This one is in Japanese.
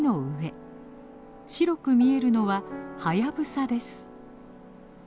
白く見えるのはハヤブサです。